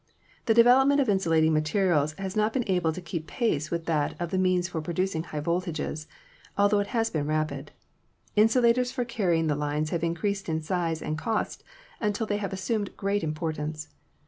The development of insulating ma terials has not been able to keep pace with that of the means for producing high voltages, altho it has been rapid. Insulators for carrying the lines have increased in size and cost until they have assumed great importance.